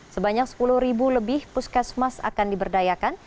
sebanyak sepuluh ribu lebih puskesmas akan diberdayakan